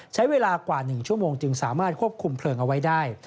ใช้เวลากว่า๑ชั่วโมงจึงสามารถควบคุมเพลิงเอาไว้ได้